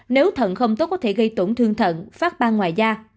nếu thận không tốt có thể gây tổn thương thận phát bang ngoài da